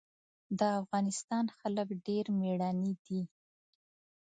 د افغانستان خلک ډېر مېړني دي.